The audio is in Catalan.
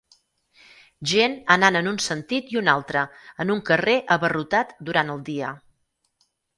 Gent anant en un sentit i un altre en un carrer abarrotat durant el dia.